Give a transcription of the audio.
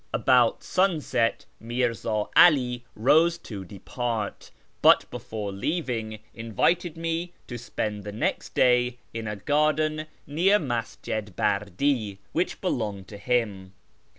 About sunset Mirzi'i 'Ali rose to depart, but before leaving invited me to spend the next day in a garden near Masjid Bardi which belonged to him.